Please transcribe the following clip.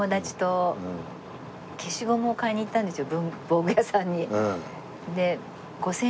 文房具屋さんに。